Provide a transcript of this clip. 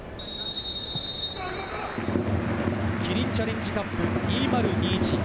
キリンチャレンジカップ２０２１。